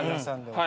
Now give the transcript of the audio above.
はい。